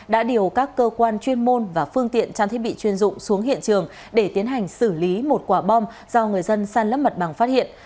đã điều các cơ quan chuyên môn và phương tiện trang thiết bị chuyên dụng xuống hiện trường để tiến hành xử lý một quả bom do người dân san lấp mặt bằng phát hiện